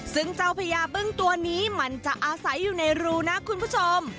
ซึ่งเจ้าพญาบึ้งตัวนี้มันจะอาศัยอยู่ในรูนะคุณผู้ชม